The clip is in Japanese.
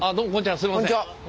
すいません。